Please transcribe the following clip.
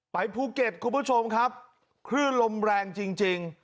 ภูเก็ตคุณผู้ชมครับคลื่นลมแรงจริง